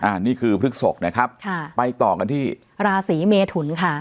อันนี้คือพฤกษกนะครับค่ะไปต่อกันที่ราศีเมทุนค่ะ